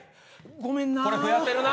ごめんな。